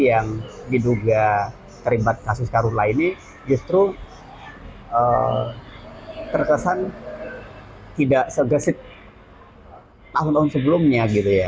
yang diduga terlibat kasus karun lainnya justru terkesan tidak segesit tahun tahun sebelumnya